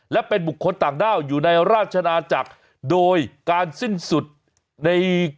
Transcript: และเป็นบุคคลต่างด้าวอยู่ในราชนาจักรโดยการสิ้นสุดใน